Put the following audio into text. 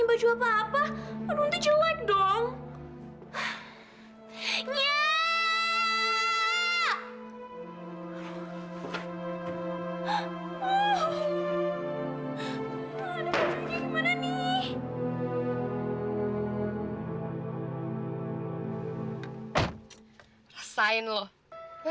baju kok ada di sini sih